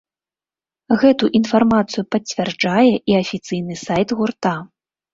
Гэту інфармацыю пацвярджае і афіцыйны сайт гурта.